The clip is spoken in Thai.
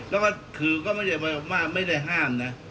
แล้วก็คือก็ไม่ได้ห้ามนะ